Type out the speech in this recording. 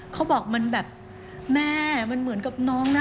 เขาบอกมันแบบแม่มันเหมือนกับน้องนะ